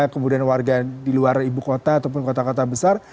kemudian warga di luar ibu kota ataupun kota kota besar